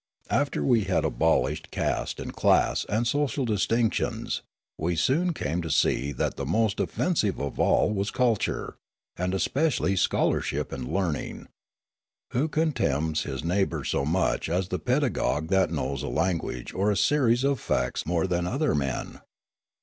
After we had abolished caste and class and social distinctions, we soon came to see that the most offensive of all was culture, and especially scholarship and learning. Who contemns his neighbour so much as the pedagogue that knows a language or a series of facts more than other men